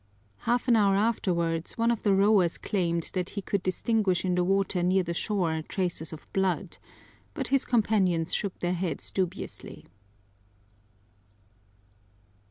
Half an hour afterwards one of the rowers claimed that he could distinguish in the water near the shore traces of blood, but his companions shook their heads dubiously.